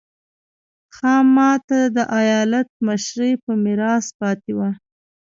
خاما ته د ایالت مشري په میراث پاتې وه.